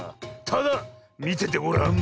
ただみててごらん。